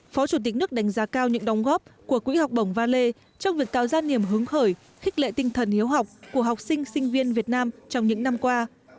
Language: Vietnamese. phó chủ tịch nước đánh giá cao những đóng góp của quỹ học bổng valet trong việc cao gia niềm hướng hởi khích lệ tinh thần hiếu học của học sinh sinh viên việt nam trong những năm qua